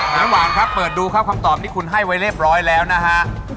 น้ำหวานครับเปิดดูครับคำตอบที่คุณให้ไว้เรียบร้อยแล้วนะฮะ